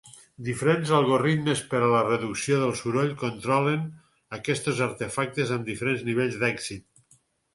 Diferents algoritmes per a la reducció del soroll controlen aquests artefactes amb diferents nivells d'èxit.